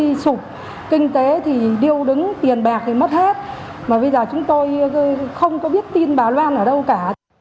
đi sụp kinh tế thì điêu đứng tiền bạc thì mất hết mà bây giờ chúng tôi không có biết tin bà loan ở đâu cả